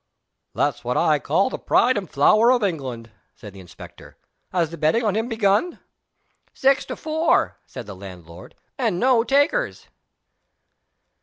"That's what I call the pride and flower of England!" said the inspector. "Has the betting on him begun?" "Six to four," said the landlord, "and no takers."